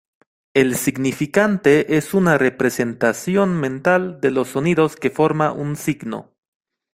El significante es una representación mental de los sonidos que forma un signo.